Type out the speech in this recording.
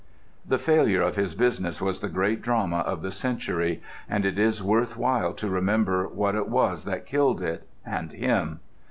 The failure of his business was the great drama of the century; and it is worth while to remember what it was that killed it—and him.